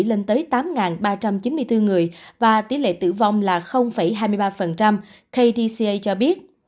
lên tới tám ba trăm chín mươi bốn người và tỷ lệ tử vong là hai mươi ba kdca cho biết